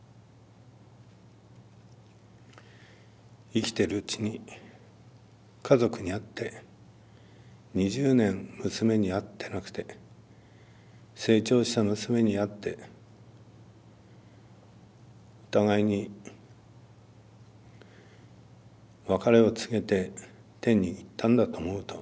生きてるうちに家族に会って２０年娘に会ってなくて成長した娘に会ってお互いに別れを告げて天に行ったんだと思うと。